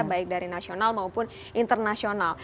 baik dari nasional maupun internasional